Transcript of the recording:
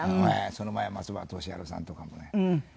その前は松原敏春さんとかもねあって。